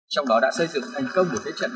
trong đó đã xây dựng thành công một thế trận